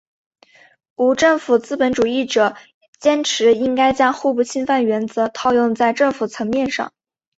无政府资本主义者坚持应该将互不侵犯原则套用在政府层面上。